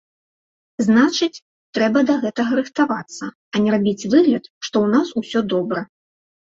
Значыць, трэба да гэтага рыхтавацца, а не рабіць выгляд, што ў нас усё добра.